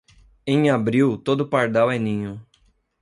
Em abril, todo pardal é ninho.